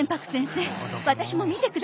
私も診てください。